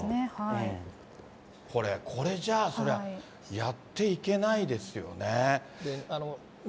これじゃあ、それはやっていけないですよね。